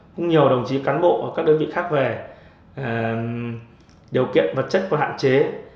cũng nhiều đồng chí cán bộ ở các đơn vị khác về điều kiện vật chất và hạn chế